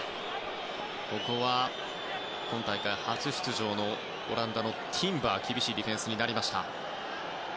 ここは今大会初出場のオランダのティンバー厳しいディフェンスになりました。